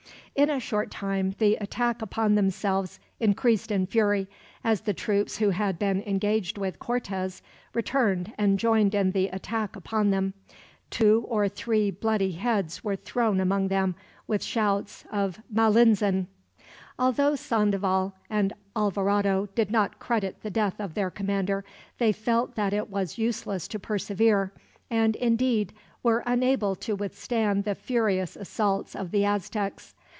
In a short time the attack upon themselves increased in fury, as the troops who had been engaged with Cortez returned and joined in the attack upon them. Two or three bloody heads were thrown among them, with shouts of "Malinzin!" Although Sandoval and Alvarado did not credit the death of their commander, they felt that it was useless to persevere, and indeed were unable to withstand the furious assaults of the Aztecs.